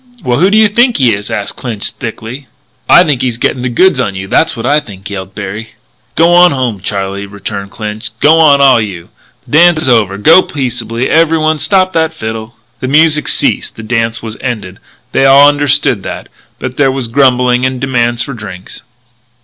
"Well, who do you think he is?" asked Clinch thickly. "I think he's gettin' the goods on you, that's what I think," yelled Berry. "G'wan home, Charlie," returned Clinch. "G'wan, all o' you. The dance is over. Go peaceable, every one. Stop that fiddle!" The music ceased. The dance was ended; they all understood that; but there was grumbling and demands for drinks.